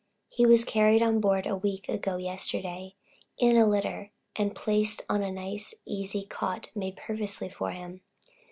He was carried on board a week ago yesterday, in a litter, and placed on a nice easy cot made purposely for him.